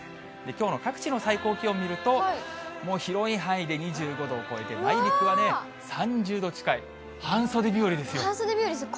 きょうの各地の最高気温を見ると、もう広い範囲で２５度を超えて、内陸はね、３０度近い、半袖日和半袖日和ですね。